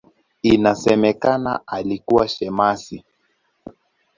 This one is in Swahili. Inasemekana alikuwa shemasi.